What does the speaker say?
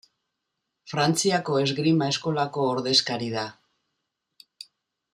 Frantziako esgrima eskolako ordezkari da.